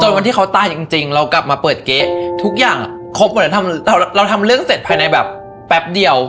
วันที่เขาตายจริงเรากลับมาเปิดเก๊ะทุกอย่างครบหมดแล้วเราทำเรื่องเสร็จภายในแบบแป๊บเดียว